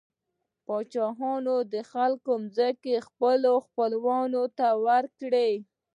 پاچاهانو د خلکو ځمکې خپلو خپلوانو ته ورکړې.